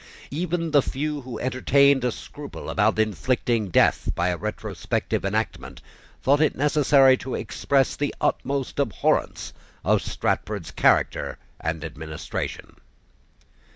Even the few who entertained a scruple about inflicting death by a retrospective enactment thought it necessary to express the utmost abhorrence of Strafford's character and administration.